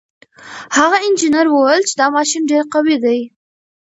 هغه انجنیر وویل چې دا ماشین ډېر قوي دی.